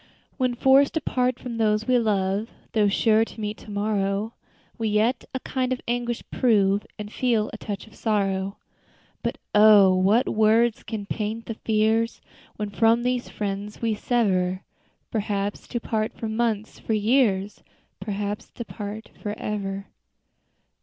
_ "When forced to part from those we love, Though sure to meet to morrow; We yet a kind of anguish prove And feel a touch of sorrow. But oh! what words can paint the fears When from these friends we sever, Perhaps to part for months for years Perhaps to part forever."